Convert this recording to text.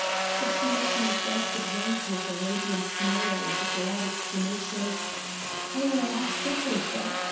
But she met my first advance with a radiant smile and the glad exclamation: "Oh, I have settled all that!